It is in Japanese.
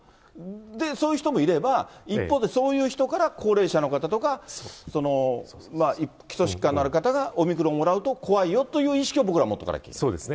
で、そういう人もいれば、一方でそういう人から高齢者の方とか、基礎疾患のある方がオミクロンもらうと怖いよという意識を僕ら持そうですね、